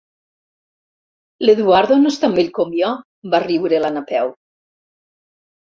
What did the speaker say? L'Eduardo no és tan vell com jo —va riure la Napeu—.